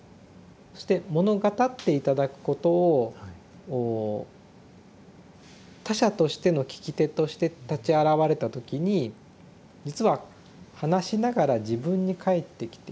そして物語って頂くことを他者としての聞き手として立ち現れた時に実は話しながら自分に返ってきている。